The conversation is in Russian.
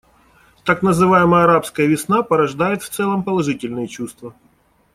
Так называемая «арабская весна» порождает в целом положительные чувства.